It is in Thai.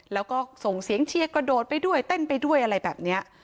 แล้วก็ส่งเสียงเชียร์กระโดดไปด้วยเต้นไปด้วยอะไรแบบนี้